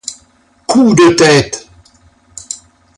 Coups de tête.